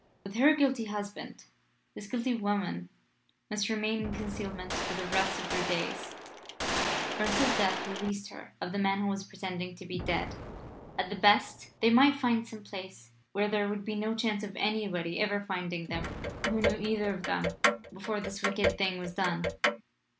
With her guilty husband, this guilty woman must remain in concealment for the rest of their days, or until death released her of the man who was pretending to be dead. At the best, they might find some place where there would be no chance of anybody ever finding them who knew either of them before this wicked thing was done.